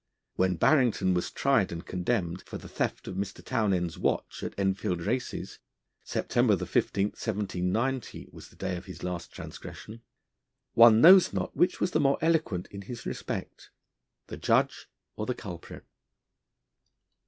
When Barrington was tried and condemned for the theft of Mr. Townsend's watch at Enfield Races September 15, 1790, was the day of his last transgression one knows not which was the more eloquent in his respect, the judge or the culprit.